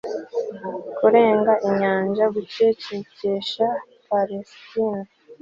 kurenga inyanja, gucecekesha palesitine